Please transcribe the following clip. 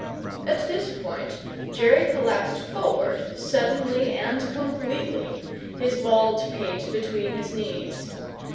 At this point Jerry collapsed forward, suddenly and completely, his bald pate between his knees.